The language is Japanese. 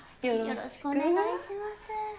よろしくお願いします。